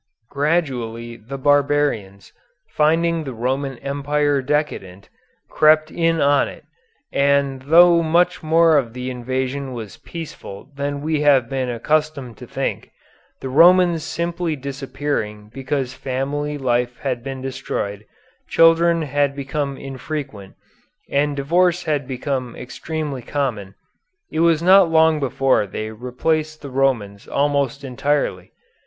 Gradually the barbarians, finding the Roman Empire decadent, crept in on it, and though much more of the invasion was peaceful than we have been accustomed to think, the Romans simply disappearing because family life had been destroyed, children had become infrequent, and divorce had become extremely common, it was not long before they replaced the Romans almost entirely.